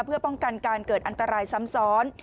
เพื่อป้องกันการเกิดอันตรายซ้ำซ้อน